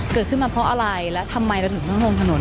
เกิดขึ้นมาเพราะอะไรแล้วทำไมเราถึงต้องลงถนน